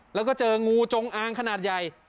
แล้วก็เจองูจงอางขนาดใหญ่